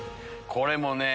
これもね